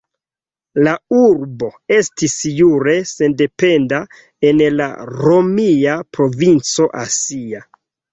La urbo estis jure sendependa en la romia provinco Asia.